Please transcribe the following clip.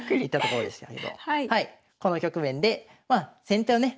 この局面でまあ先手はね